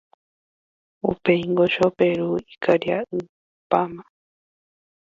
Upéingo Choperu ikaria'ypáma.